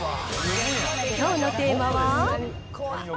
きょうのテーマは？